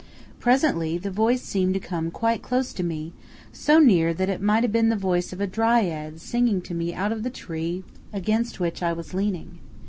Presently the voice seemed to come quite close to me, so near that it might have been the voice of a dryad singing to me out of the tree against which I was leaning.